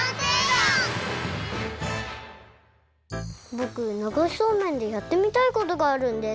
ぼく流しそうめんでやってみたいことがあるんです。